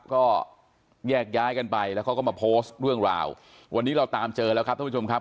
ก็แยกย้ายกันไปแล้วเขาก็มาโพสต์เรื่องราววันนี้เราตามเจอแล้วครับท่านผู้ชมครับ